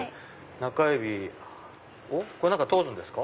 中指をこれ通すんですか？